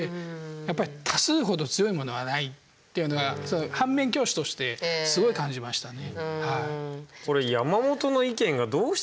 やっぱり多数ほど強いものはないっていうのが反面教師としてすごい感じましたね。